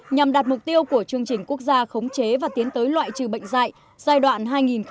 nhằm đạt mục tiêu của chương trình quốc gia khống chế và tiến tới loại trừ bệnh dạy giai đoạn hai nghìn một mươi sáu hai nghìn hai mươi